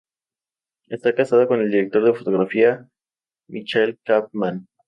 Está casada con el director de fotografía Michael Chapman.